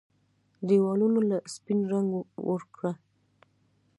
ديوالونو له سپين رنګ ورکړه